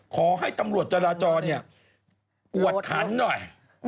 ขอให้ตำรวจจราจรกวดขันหน่อย